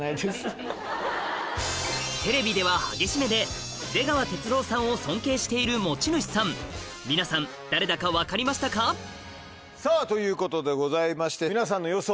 テレビでは激しめで出川哲朗さんを尊敬している持ち主さんさぁということでございまして皆さんの予想。